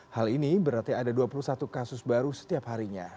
hal ini berarti ada dua puluh satu kasus baru setiap harinya